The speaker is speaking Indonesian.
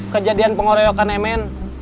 kejadian pengoroyokan emen